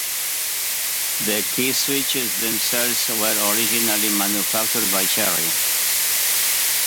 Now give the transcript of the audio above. The keyswitches themselves were originally manufactured by Cherry.